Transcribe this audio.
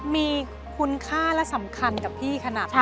มีคุณค่าและสำคัญกับพี่ขนาดไหน